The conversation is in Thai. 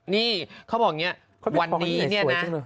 นี่เขาบอกอย่างนี้วันนี้เนี่ยนะ